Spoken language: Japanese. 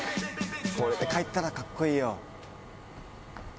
これで帰ったら格好いいよ。